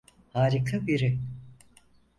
Harika biri.